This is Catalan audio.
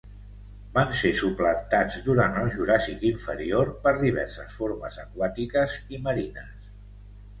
Van ser suplantats durant el Juràssic inferior per diverses formes aquàtiques i marines.